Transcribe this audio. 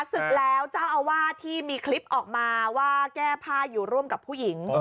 ศึกแล้วเจ้าอาวาสที่มีคลิปออกมาว่าแก้ผ้าอยู่ร่วมกับผู้หญิง